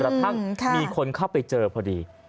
กระทั่งมีคนเข้าไปเจอพอดี